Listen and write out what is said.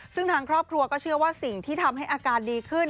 ซึ่งทางครอบครัวก็เชื่อว่าสิ่งที่ทำให้อาการดีขึ้น